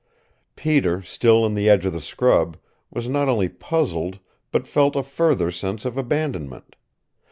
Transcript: Peter, still in the edge of the scrub, was not only puzzled, but felt a further sense of abandonment.